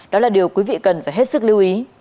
đó là điều quý vị cần phải hết sức lưu ý